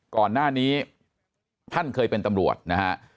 ก่อนหน้านี้ท่านเคยเป็นตำรวจนะฮะ